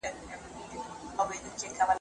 موږ ناوخته ورسېدو او مجلس خلاص سوی وو.